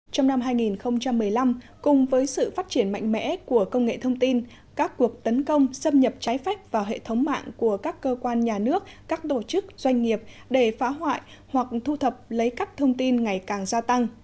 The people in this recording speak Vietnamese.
trong năm hai nghìn một mươi năm cùng với sự phát triển mạnh mẽ của công nghệ thông tin các cuộc tấn công xâm nhập trái phép vào hệ thống mạng của các cơ quan nhà nước các tổ chức doanh nghiệp để phá hoại hoặc thu thập lấy các thông tin ngày càng gia tăng